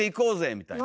みたいな。